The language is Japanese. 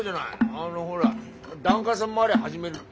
あのほら檀家さん回り始めるって。